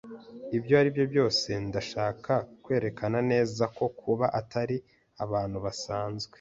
Ibyo ari byo byose ndashaka kwerekana neza ko kuba atari abantu basanzwe.